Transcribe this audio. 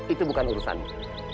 itu bukan urusanmu